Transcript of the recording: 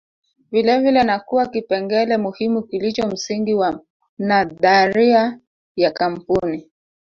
vilevile na kuwa kipengele muhimu kilicho msingi wa nadharia ya kampuni